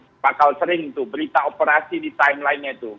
maka sering bakal sering tuh berita operasi di timelinenya tuh